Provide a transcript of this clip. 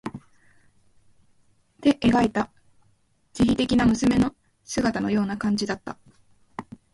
てえがいた、稗史的な娘の絵姿のような感じだった。